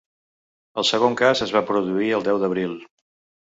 El segon cas es va produir el deu d’abril.